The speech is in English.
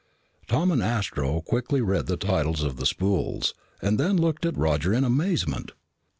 Tom and Astro quickly read the titles of the spools and then looked at Roger in amazement.